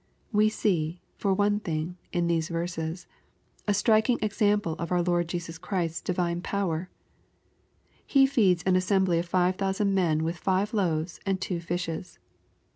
We see, for one thing, in these verses, a striking ex ample of our Lord Jesus Christ^ a divine power. He feeds an assembly of five thousand men with five loaves and two fishes.